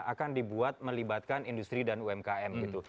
akan dibuat melibatkan industri dan umkm gitu